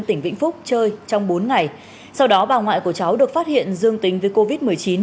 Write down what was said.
tỉnh vĩnh phúc chơi trong bốn ngày sau đó bà ngoại của cháu được phát hiện dương tính với covid một mươi chín